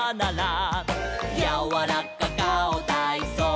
「やわらかかおたいそう」